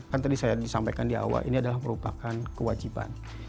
kan tadi saya disampaikan di awal ini adalah merupakan kewajiban